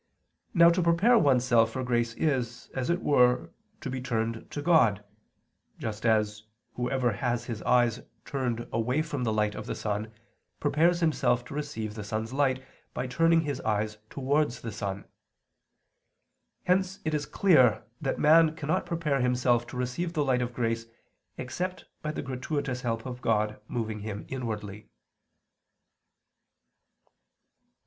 Now to prepare oneself for grace is, as it were, to be turned to God; just as, whoever has his eyes turned away from the light of the sun, prepares himself to receive the sun's light, by turning his eyes towards the sun. Hence it is clear that man cannot prepare himself to receive the light of grace except by the gratuitous help of God moving him inwardly.